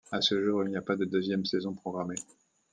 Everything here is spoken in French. À ce jour, il n'y a pas de deuxième saison programmée.